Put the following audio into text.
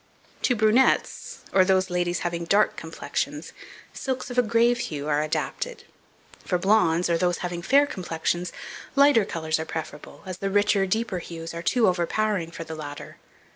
To Brunettes, or those ladies having dark complexions, silks of a grave hue are adapted. For Blondes, or those having fair complexions, lighter colours are preferable, as the richer, deeper hues are too overpowering for the latter.